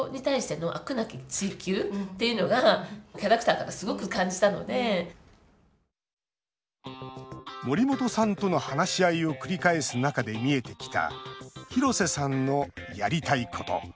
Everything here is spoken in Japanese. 森本さんは、少しずつ引き出していきました森本さんとの話し合いを繰り返す中で見えてきた廣瀬さんのやりたいこと。